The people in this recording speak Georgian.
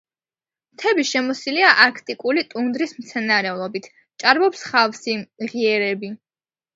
მთები შემოსილია არქტიკული ტუნდრის მცენარეულობით, ჭარბობს ხავსი, მღიერები.